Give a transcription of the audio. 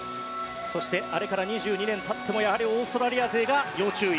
そして、あれから２２年たってもやはりオーストラリア勢が要注意。